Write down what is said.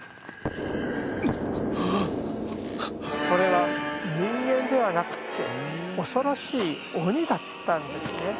それは人間ではなくて恐ろしい鬼だったんですね。